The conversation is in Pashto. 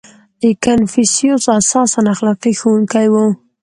• کنفوسیوس اساساً اخلاقي ښوونکی و.